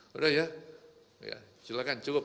sudah ya silakan cukup